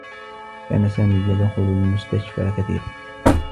كان سامي يدخل المستشفى كثيرا.